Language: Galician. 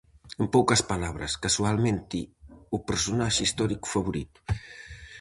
En poucas palabras, casualmente o personaxe histórico favorito.